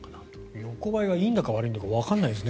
横ばいがいいんだか悪いんだかわからないですね。